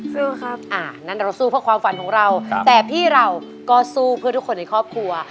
สู้ครับอ่านั่นเราสู้เพื่อความฝันของเราแต่พี่เราก็สู้เพื่อทุกคนในครอบครัว